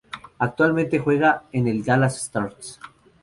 Actualmente juega en el Dallas Stars.